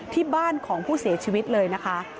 ที่บ้านของผู้เสียชีวิตเลยนะคะ